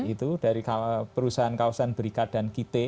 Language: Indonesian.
itu dari perusahaan kawasan berikat dan kit